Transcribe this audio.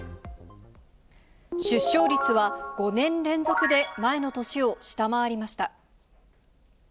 出生率は５年連続で前の年を下回りました。